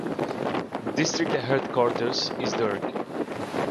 District headquarters is Durg.